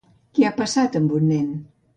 Què ha passat amb un nen?